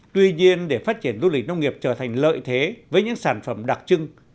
tuy nhiên để phát triển du lịch nông nghiệp trở thành lợi thế với những sản phẩm đặc trưng